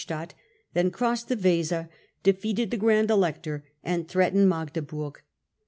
s tadt ; then, crossing the Weser, defeated the Grand Elector and threatened Magdeburg.